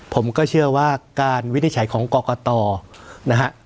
ผมก็เชื่อว่าการวินิจฉัยของกรกตนะฮะ